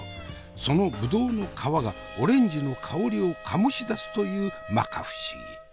そのぶどうの皮がオレンジの香りを醸し出すというまか不思議。